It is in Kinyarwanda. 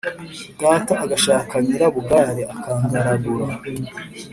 data agashaka Nyirabugare, akangaragura,